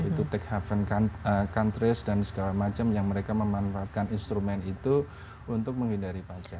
itu take haven countries dan segala macam yang mereka memanfaatkan instrumen itu untuk menghindari pajak